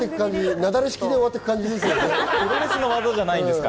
雪崩式で終わっていく感じですよね。